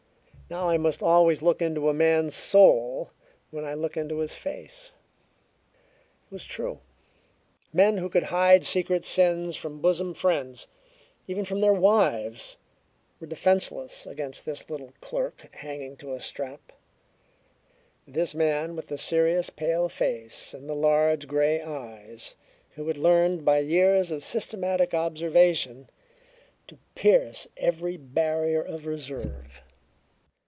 "Now I must always look into a man's soul when I look into his face." It was true. Men who could hide secret sins from bosom friends even from their wives were defenseless against this little clerk hanging to a strap this man with the serious pale face and the large grey eyes who had learned by years of systematic observation to pierce every barrier of reserve.